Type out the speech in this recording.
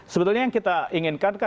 sebetulnya yang kita inginkan